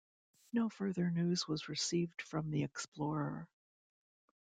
No further news was received from the explorer.